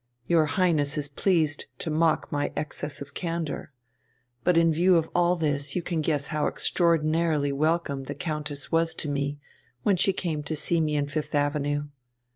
Your Highness is pleased to mock my excess of candour. But in view of all this you can guess how extraordinarily welcome the Countess was to me, when she came to see me in Fifth Avenue.